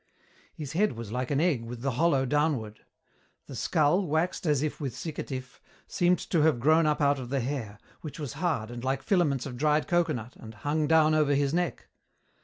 His head was like an egg with the hollow downward. The skull, waxed as if with siccatif, seemed to have grown up out of the hair, which was hard and like filaments of dried coconut and hung down over his neck.